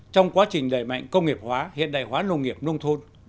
trong quá trình đẩy mạnh công nghiệp hóa hiện đại hóa nông nghiệp nông thôn